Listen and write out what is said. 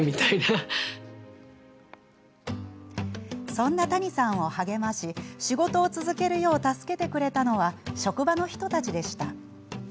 そんな谷さんを励まし仕事を続けるよう助けてくれたのは職場の人たちでした。